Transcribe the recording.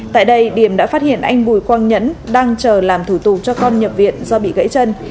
tại đây điểm đã phát hiện anh bùi quang nhẫn đang chờ làm thủ tục cho con nhập viện do bị gãy chân